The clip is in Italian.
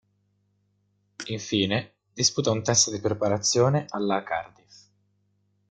Infine disputa un test di preparazione alla a Cardiff.